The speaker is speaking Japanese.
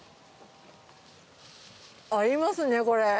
合いますね、これ。